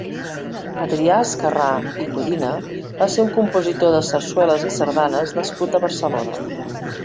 Adrià Esquerrà i Codina va ser un compositor de sarsueles i sardanes nascut a Barcelona.